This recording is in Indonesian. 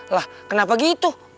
lah kenapa gitu